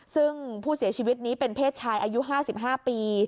ซึ่งผู้เสียชีวิตนี้เป็นเพศชายอายุ๕๕ปี